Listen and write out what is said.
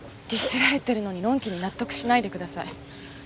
ディスられてるのにのんきに納得しないでください。